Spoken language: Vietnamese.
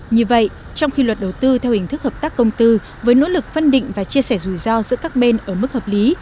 như vậy trong khi luật đầu tư theo hình thức hợp tác công tư với nỗ lực phân định và chia sẻ rủi ro giữa các bên ở mức hợp lý